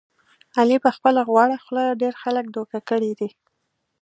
علي په خپله غوړه خوله ډېر خلک دوکه کړي دي.